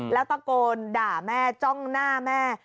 แล้วตะโกนด่าแม่จ้องหน้าแม่